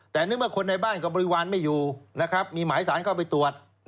แต่นึกว่าคนในบ้านก็บริวารไม่อยู่นะครับมีหมายสารเข้าไปตรวจ